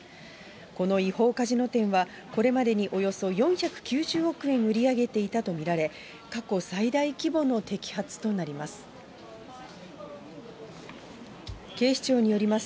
この違法カジノ店は、これまでにおよそ４９０億円売り上げていたと見られ、過去最大規模の摘発となります。